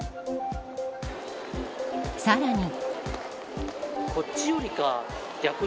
さらに。